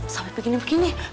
sampai begini begini biar kelas